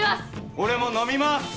俺も飲みます！